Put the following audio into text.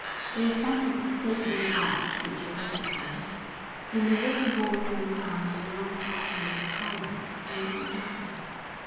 They ascended the stately barge which awaited them, and the water bore them down the long avenue of columns into the darkness.